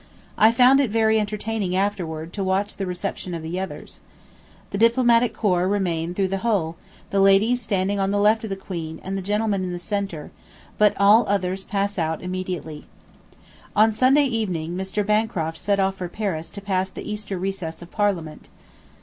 I found it very entertaining afterward to watch the reception of the others. The Diplomatic Corps remain through the whole, the ladies standing on the left of the Queen and the gentlemen in the centre, but all others pass out immediately. ... On Sunday evening Mr. Bancroft set off for Paris to pass the Easter recess of Parliament.